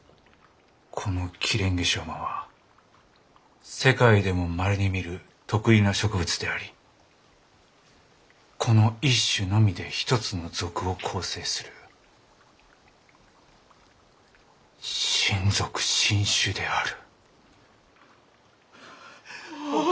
このキレンゲショウマは世界でもまれに見る特異な植物でありこの一種のみで一つの属を構成する新属新種である。